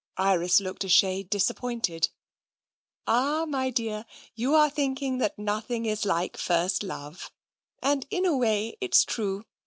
Iris looked a shade disappointed. " Ah, my dear, you are thinking that nothing is like first love — and in a way it's true.